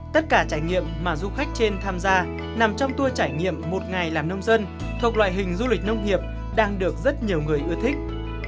tất cả trải nghiệm mà du khách trên tham gia nằm trong tour trải nghiệm một ngày làm nông dân thuộc loại hình du lịch nông nghiệp đang được rất nhiều người ưa thích